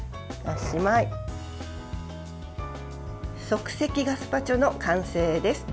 即席ガスパチョの完成です。